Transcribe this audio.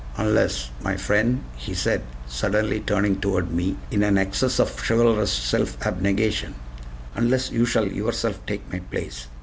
Unless, my friend," he said, suddenly turning toward me in an excess of chivalrous self abnegation, "unless you shall yourself take my place.